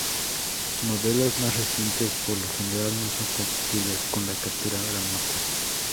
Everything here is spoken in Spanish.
Modelos más recientes por lo general no son compatibles con la captura remota.